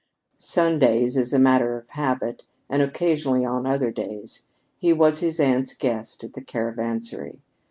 Sundays, as a matter of habit, and occasionally on other days, he was his aunt's guest at the Caravansary.